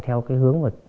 theo cái hướng